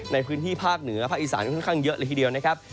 ในพื้นที่ภาคเหนือภาคอีสานเขาค่อยเยอะหลักทีเดียวนะครับ